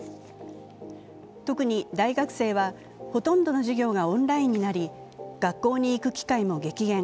特に大学生は、ほとんどの授業がオンラインになり、学校に行く機会も激減。